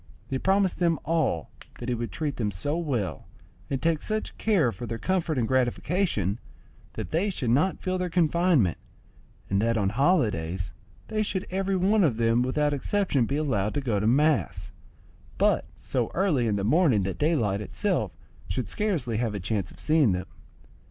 He promised them all that he would treat them so well, and take such care for their comfort and gratification, that they should not feel their confinement, and that on holidays they should every one of them without exception be allowed to go to mass; but so early in the morning that daylight itself should scarcely have a chance of seeing them.